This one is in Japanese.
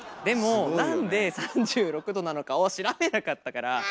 でもなんで３６℃なのかを調べなかったから。